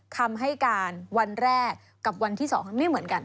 คำให้การวันแรกกับวันที่๒ไม่เหมือนกัน